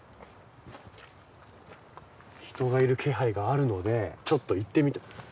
人がいる気配があるのでちょっといってみて。